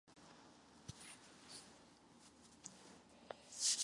Mladí lidé stráví mnoho času u televizní obrazovky nebo počítače.